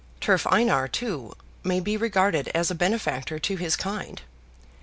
Turf Einar too may be regarded as a benefactor to his kind.